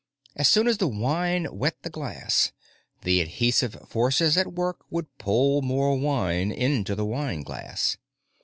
As soon as the wine wet the glass, the adhesive forces at work would pull more wine into the wine glass.